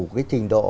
cái trình độ